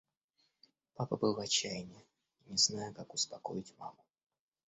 Папа был в отчаянии, не зная, как успокоить маму.